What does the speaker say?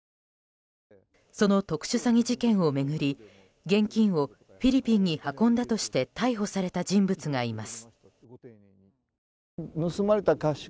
その特殊詐欺事件を巡り現金をフィリピンに運んだとして逮捕された人物がいます。